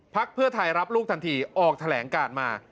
เพื่อไทยรับลูกทันทีออกแถลงการมา